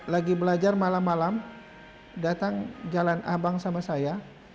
lagi belajar malam malam datang jalan abang sama saya